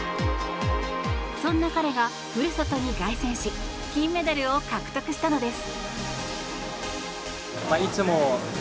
そんな彼が故郷に凱旋し金メダルを獲得したのです。